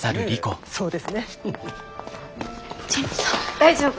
大丈夫。